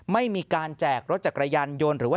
ไม่มีการแจกรถจักรยานยนต์